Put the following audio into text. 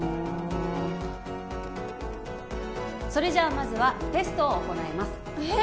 もうそれじゃあまずはテストを行いますえっ